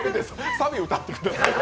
サビ歌ってください。